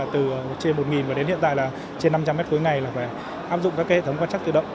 từ trên một và đến hiện tại là trên năm trăm linh mét cuối ngày là phải áp dụng các hệ thống quan chắc tự động